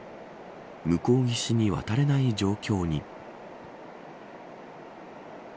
向こう岸に渡れない状況に。